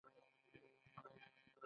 د برنډ جوړول څومره مهم دي؟